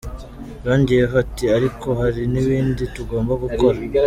Yongeyeho ati “Ariko hari n’ibindi tugomba gukora.